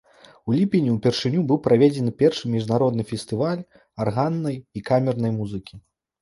У ліпені ўпершыню быў праведзены першы міжнародны фестываль арганнай і камернай музыкі.